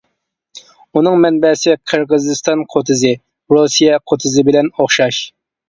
ئۇنىڭ مەنبەسى قىرغىزىستان قوتىزى، رۇسىيە قوتىزى بىلەن ئوخشاش.